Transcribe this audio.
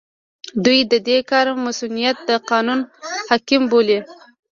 دوی د دې کار مصؤنيت د قانون حکم بولي.